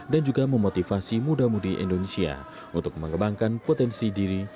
dan juga memotivasi muda mudi indonesia untuk mengembangkan potensi diri